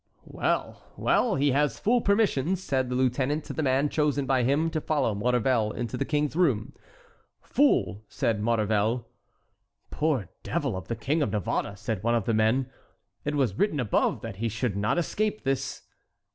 "Well, well, he has full permission," said the lieutenant to the man chosen by him to follow Maurevel into the king's room. "Full," said Maurevel. "Poor devil of the King of Navarre!" said one of the men. "It was written above that he should not escape this."